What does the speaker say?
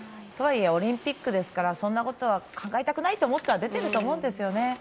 とはいえ、オリンピックですからそんなことは考えたくないと思って出てるとは思うんですよね。